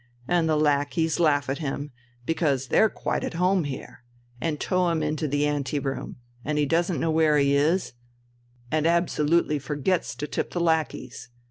And the lackeys laugh at him, because they're quite at home here, and tow him into the ante room, and he doesn't know where he is, and absolutely forgets to tip the lackeys.